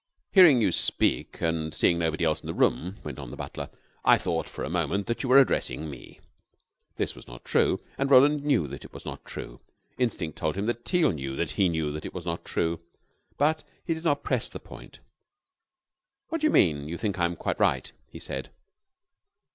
"Hearing you speak, and seeing nobody else in the room," went on the butler, "I thought for a moment that you were addressing me." This was not true, and Roland knew it was not true. Instinct told him that Teal knew that he knew it was not true; but he did not press the point. "What do you mean you think I am quite right?" he said.